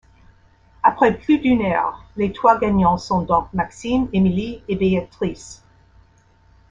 Après plus d'une heure les trois gagnants sont donc Maxime, Émilie et Béatrice.